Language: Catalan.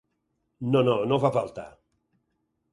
No, no, no fa falta.